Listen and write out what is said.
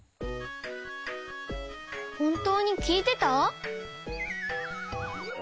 ほんとうにきいてた？